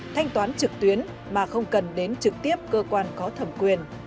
thanh toán trực tuyến mà không cần đến trực tiếp cơ quan có thẩm quyền